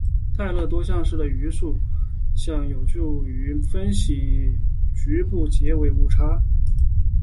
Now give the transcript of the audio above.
泰勒多项式的余数项有助于分析局部截尾误差。